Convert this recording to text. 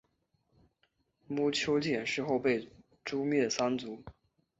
毋丘俭事后被诛灭三族。